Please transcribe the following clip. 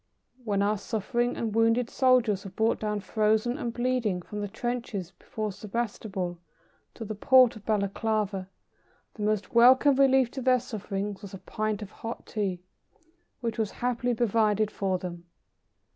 When our suffering and wounded soldiers were brought down frozen and bleeding from the trenches before Sebastopol to the port of Balaklava, the most welcome relief to their sufferings was a pint of hot Tea, which was happily provided for them.